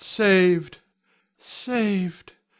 Saved! saved!